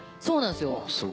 そうなんですよ。